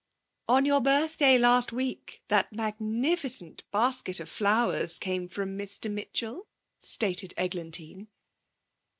'On your birthday last week that magnificent basket of flowers came from Mr Mitchell,' stated Eglantine.